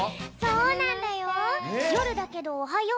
そうなんだよ。